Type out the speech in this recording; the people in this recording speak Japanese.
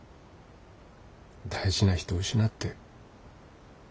大事な人失って。